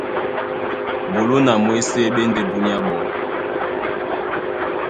Bulú na mwésé ɓá e ndé búnyá ɓɔɔ́.